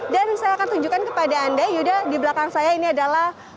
saya akan tunjukkan kepada anda yuda di belakang saya ini adalah